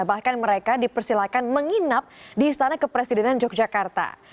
bahkan mereka dipersilakan menginap di istana kepresidenan yogyakarta